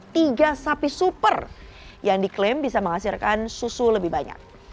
tiga sapi super yang diklaim bisa menghasilkan susu lebih banyak